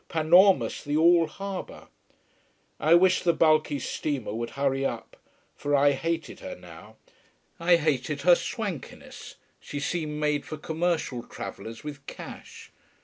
Panormus, the All harbour. I wished the bulky steamer would hurry up. For I hated her now. I hated her swankiness, she seemed made for commercial travellers with cash.